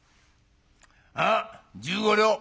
ああ１５両。